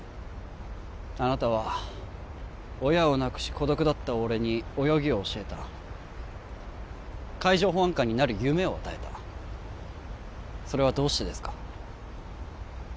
あなたは親を亡くし孤独だった俺に泳ぎを教えた海上保安官になる夢を与えたそれはどうしてですか？